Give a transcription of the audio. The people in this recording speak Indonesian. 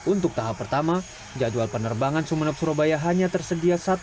untuk tahap ketiga jadwal penerbangan sumeneb surabaya hanya ditempuh sekitar empat puluh menit